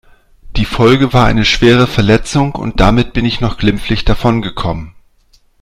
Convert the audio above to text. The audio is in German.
Die Folge war eine schwere Verletzung und damit bin ich noch glimpflich davon gekommen.